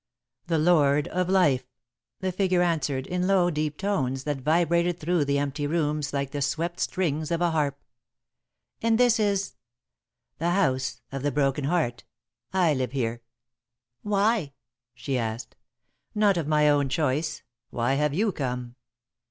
"The Lord of Life," the figure answered, in low, deep tones that vibrated through the empty rooms like the swept strings of a harp. "And this is ?" "The House of the Broken Heart. I live here." "Why?" she asked. "Not of my own choice. Why have you come?"